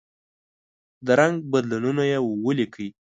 د رنګ بدلونونه یې ولیکئ.